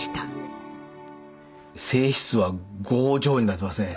性質は剛情になってますね。